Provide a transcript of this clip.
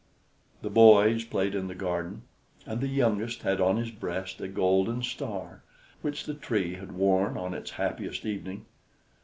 The boys played in the garden, and the youngest had on his breast a golden star, which the Tree had worn on its happiest evening.